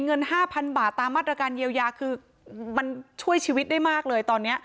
เงิน๕๐๐๐บาทตามมาตรการเยียวยาคือมันช่วยชีวิตได้มากเลยตอนนี้